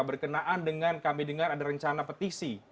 berkenaan dengan kami dengar ada rencana petisi